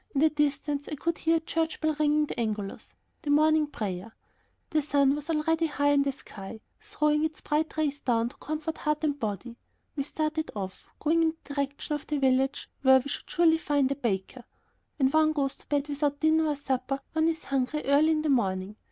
In the distance I could hear a church bell ringing the Angelus, the morning prayer. The sun was already high in the sky, throwing its bright rays down to comfort heart and body. We started off, going in the direction of the village where we should surely find a baker: when one goes to bed without dinner or supper one is hungry early in the morning.